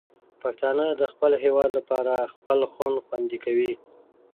پښتانه د خپل هېواد لپاره خپل خون خوندي کوي.